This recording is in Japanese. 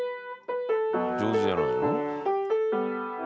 上手じゃないの？